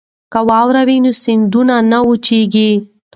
که واوره وي نو سیندونه نه وچیږي.